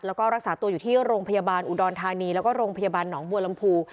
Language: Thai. แล้วก็รักษาตัวอยู่ที่โรงพยาบาลอุดรธานีแล้วก็โรงพยาบาลหนองบัวลำพู